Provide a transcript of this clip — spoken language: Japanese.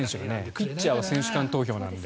ピッチャーは選手間投票なので。